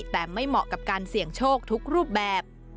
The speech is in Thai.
แต่ไม่เหมาะกับการเสี่ยงโชคทุกรูปแบบ